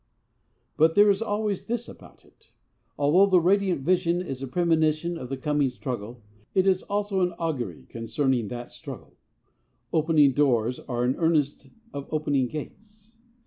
IV But there is always this about it. Although the radiant vision is a premonition of the coming struggle, it is also an augury concerning that struggle. Opening doors are an earnest of opening gates.